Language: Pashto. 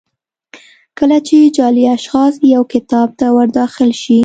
کله چې جعلي اشخاص یو کتاب ته ور داخل شي.